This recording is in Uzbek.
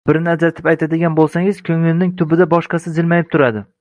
Birini ajratib aytadigan bo‘lsangiz, ko‘ngilning tubida boshqasi jilmayib turadi.